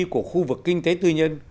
của khu vực kinh tế tư nhân